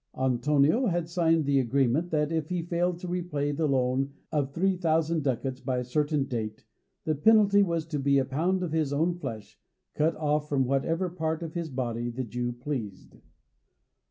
Antonio had signed the agreement that, if he failed to repay the loan of three thousand ducats by a certain date, the penalty was to be a pound of his own flesh, cut off from whatever part of his body the Jew pleased.